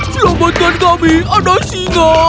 selamatkan kami ada singa